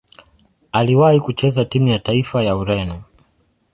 Aliwahi kucheza timu ya taifa ya Ureno.